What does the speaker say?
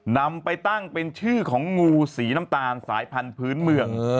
นำไปตั้งเป็นชื่อของงูสีน้ำตาลสายพันธุ์พื้นเมือง